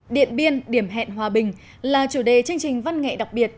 điện biên điểm hẹn hòa bình là chủ đề chương trình văn nghệ đặc biệt